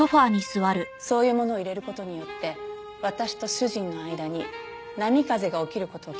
そういうものを入れる事によって私と主人の間に波風が起きる事を期待してるんだって。